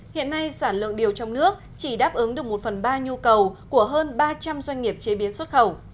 hiện nay sản lượng điều trong nước chỉ đáp ứng được một phần ba nhu cầu của hơn ba trăm linh doanh nghiệp chế biến xuất khẩu